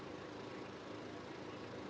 saya merasa agak berpikir